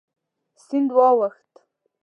سیند واوښت.